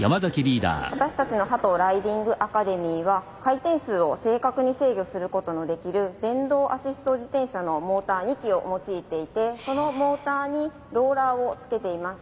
私たちの「鳩ＲＩＤＩＮＧＡＣＡＤＥＭＹ」は回転数を正確に制御するこ電動アシスト自転車のモーター２基を用いていてそのモーターにローラーを付けていまして。